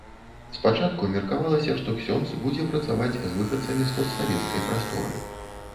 Спачатку меркавалася, што ксёндз будзе працаваць з выхадцамі з постсавецкай прасторы.